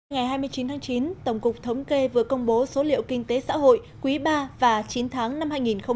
ngày hai mươi chín tháng chín tổng cục thống kê vừa công bố số liệu kinh tế xã hội quý ba và chín tháng năm hai nghìn một mươi chín